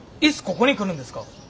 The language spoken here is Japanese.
ここに来るんですか？